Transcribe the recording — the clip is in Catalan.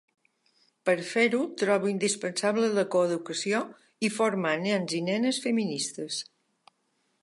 Per fer-ho, trobo indispensable la coeducació i formar nens i nenes feministes.